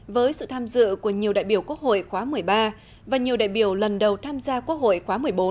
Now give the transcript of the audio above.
với sự tham dự của nhiều đại biểu quốc hội khóa một mươi ba và nhiều đại biểu lần đầu tham gia quốc hội khóa một mươi bốn